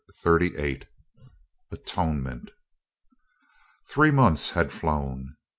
Thirty eight ATONEMENT Three months had flown.